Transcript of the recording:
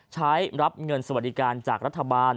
รับเงินสวัสดิการจากรัฐบาล